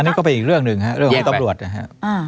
นี่ก็เป็นอีกเรื่องหนึ่งฮะเรื่องของตำรวจนะครับ